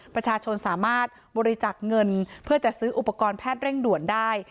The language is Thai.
ประชาชนสามารถบริจักษ์เงินเพื่อจะซื้ออุปกรณ์แพทย์เร่งด่วนได้